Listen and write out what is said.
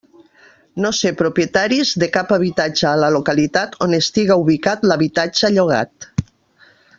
No ser propietaris de cap habitatge a la localitat on estiga ubicat l'habitatge llogat.